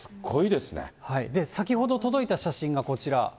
先ほど届いた写真がこちら。